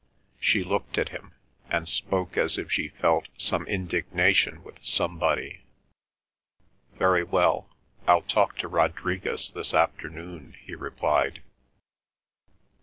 She looked at him, and spoke as if she felt some indignation with somebody. "Very well, I'll talk to Rodriguez this afternoon," he replied.